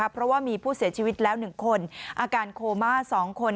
เพราะว่ามีผู้เสียชีวิตแล้ว๑คนอาการโคม่า๒คน